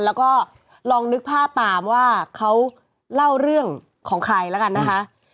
แล้วก็ลองนึกภาพตามว่าเขาเล่าเรื่องของใครแล้วกันนะคะ